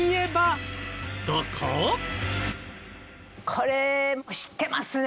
これ知ってますね。